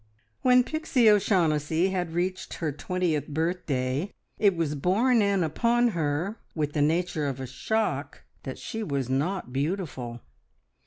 When Pixie O'Shaughnessy had reached her twentieth birthday it was borne in upon her with the nature of a shock that she was not beautiful.